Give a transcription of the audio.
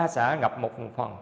ba xã ngập một phần